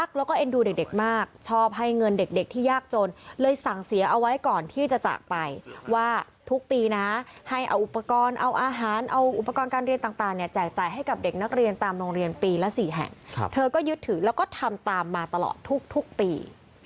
เธอก็ยึดถือแล้วก็ทำตามมาตลอดทุกปี